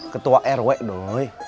ketua rw doi